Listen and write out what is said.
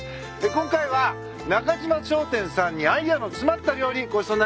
今回は中嶋商店さんにアイデアの詰まった料理ごちそうになります。